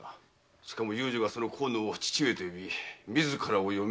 しかも遊女がその河野を「義父上」と呼び自らを「嫁」と。